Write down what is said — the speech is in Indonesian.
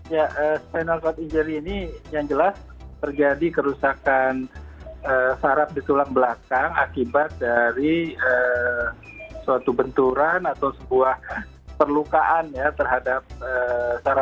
ya spinal cord injury ini yang jelas terjadi kerusakan sarap di tulang belakang akibat dari suatu benturan atau sebuah perlukaan ya terhadap sarapan